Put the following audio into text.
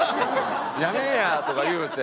「やめえや！」とか言うて。